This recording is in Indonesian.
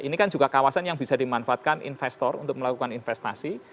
ini kan juga kawasan yang bisa dimanfaatkan investor untuk melakukan investasi